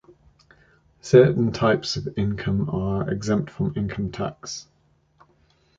Certain types of income are exempt from income tax.